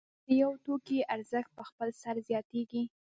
آیا د یو توکي ارزښت په خپل سر زیاتېږي